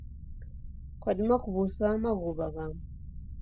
Kwadima kuw'usa maghuwa ghamu